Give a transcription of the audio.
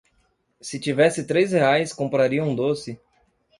se tivesse três reais compraria um doce